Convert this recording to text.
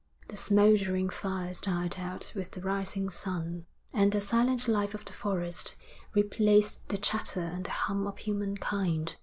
The smouldering fires died out with the rising sun, and the silent life of the forest replaced the chatter and the hum of human kind.